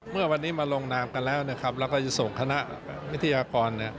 เมื่อวันนี้มาลงนามกันแล้วนะครับแล้วก็จะส่งคณะวิทยากร